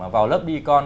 vào lớp đi con